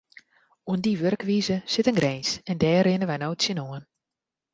Oan dy wurkwize sit in grins en dêr rinne wy no tsjinoan.